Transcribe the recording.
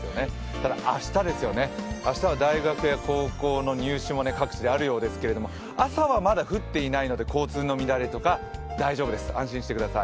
ただ明日、明日は大学や高校の入試もあるようですけど、朝はまだ降っていないので交通の乱れとか大丈夫です、安心してください。